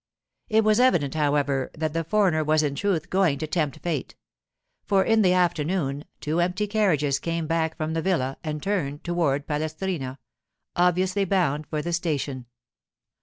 It was evident, however, that the foreigner was in truth going to tempt Fate; for in the afternoon two empty carriages came back from the villa and turned toward Palestrina, obviously bound for the station.